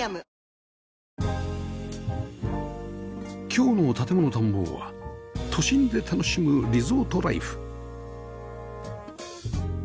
今日の『建もの探訪』は都心で楽しむリゾートライフ